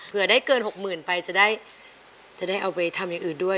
เผื่อได้เกินหกหมื่นไปจะได้จะได้เอาไปทำอย่างอื่นด้วย